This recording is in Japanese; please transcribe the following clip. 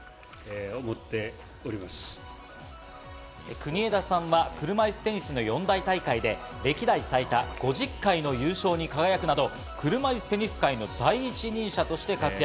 国枝さんは車いすテニスの四大大会で歴代最多５０回の優勝に輝くなど車いすテニス界の第一人者として活躍。